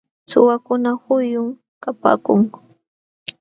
Suwakuna huyum kapaakun.